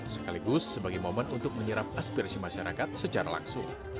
sekaligus sebagai momen untuk menyerap aspirasi masyarakat secara langsung